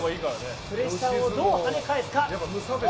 プレッシャーをどう跳ね返すか。